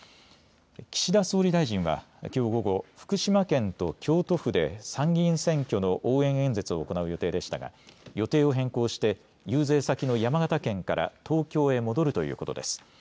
岸田総理大臣は、きょう午後福島県と京都府で参議院選挙の応援演説を行う予定でしたが予定を変更して遊説先の山形県から東京へ戻るということです。